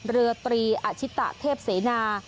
เรือตรีอาชิตะเทพเสนา